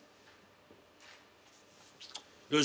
よし。